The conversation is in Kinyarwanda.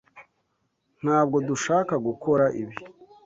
Ntabwo dushaka gukora ibi.